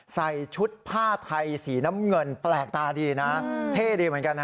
ใส่ชุดผ้าไทยสีน้ำเงินแปลกตาดีนะเท่ดีเหมือนกันนะ